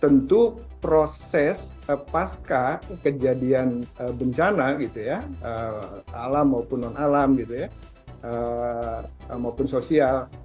tentu proses pasca kejadian bencana alam maupun non alam maupun sosial